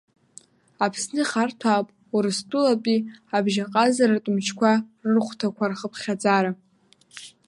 Аԥсны ихарҭәаауп УрыстәылатәиАбжьаҟазаратә Мчқәа рырхәҭақәа рхыԥхьаӡара.